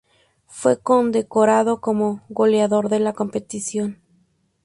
Fue condecorado como goleador de la competición.